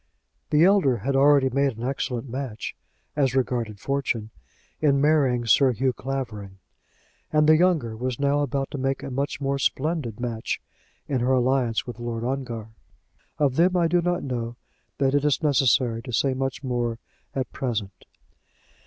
The elder had already made an excellent match, as regarded fortune, in marrying Sir Hugh Clavering; and the younger was now about to make a much more splendid match in her alliance with Lord Ongar. Of them I do not know that it is necessary to say much more at present.